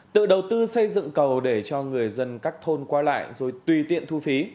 tự đầu tư xây dựng cầu để cho người dân các thôn qua lại rồi tùy tiện thu phí